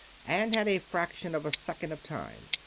and had a fraction of a second of time.